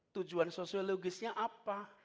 tujuan sosiologisnya apa